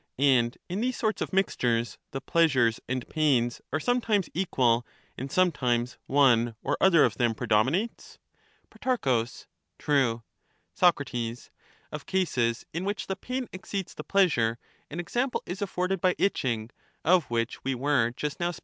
And in these sorts of mixtures the pleasures and Either pains are sometimes equal, and sometimes one or other of ^^y p^^ them predominates ? dominate Pro. True. Soc. Of cases in which the pain exceeds the pleasure, an example is afforded by itching, of which we were just now in the mixture.